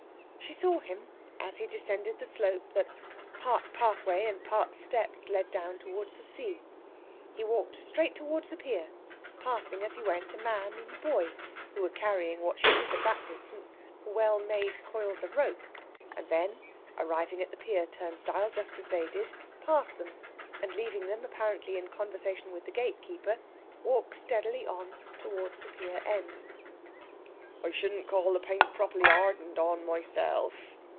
She saw him as she descended the slope that, part pathway and part steps, led down towards the sea. He walked straight towards the pier, passing as he went a man and boy, who were carrying what she took, at that distance, for well made coils of rope; and then, arriving at the pier turnstile just as they did, pass them, and, leaving them apparently in conversation with the gatekeeper, walk steadily on towards the pier end. "I shouldn't call the paint properly hardened on myself.